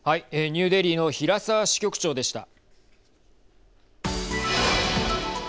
ニューデリーの平沢支局長でした。